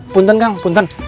punten kang punten